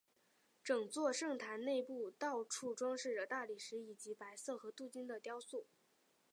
整座圣堂内部到处装饰着大理石以及白色和镀金的雕塑。